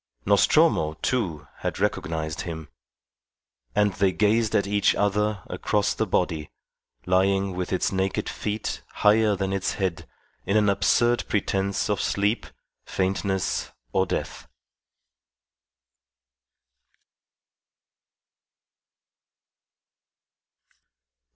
Nostromo, too, had recognized him. And they gazed at each other across the body, lying with its naked feet higher than its head, in an absurd pretence of sleep, faintness, or death.